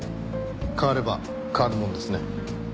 変われば変わるもんですね。